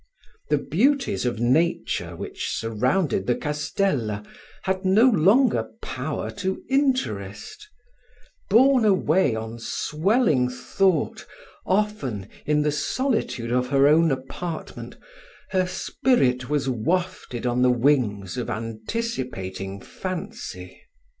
The beauties of nature which surrounded the eastella had no longer power to interest: borne away on swelling thought, often, in the solitude of her own apartment, her spirit was wafted on the wings of anticipating fancy.